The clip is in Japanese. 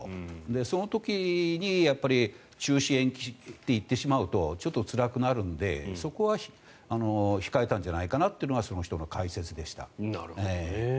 その時に中止・延期って言ってしまうとちょっとつらくなるのでそこは控えたんじゃないかなというのがその人の解説でした。